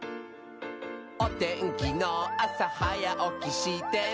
「おてんきのあさはやおきしてね」